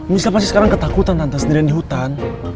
michelle pasti sekarang ketakutan tante sendirian di hutan